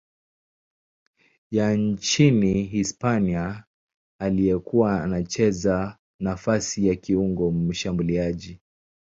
ya nchini Hispania aliyekuwa anacheza nafasi ya kiungo mshambuliaji.